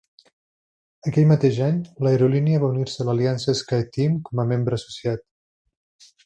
Aquell mateix any, l'aerolínia va unir-se a l'aliança SkyTeam com a membre associat.